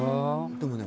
でもね